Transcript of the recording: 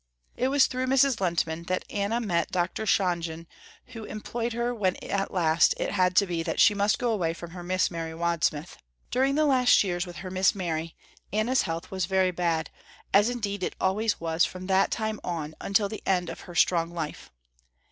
It was through Mrs. Lehntman that Anna met Dr. Shonjen who employed her when at last it had to be that she must go away from her Miss Mary Wadsmith. During the last years with her Miss Mary, Anna's health was very bad, as indeed it always was from that time on until the end of her strong life.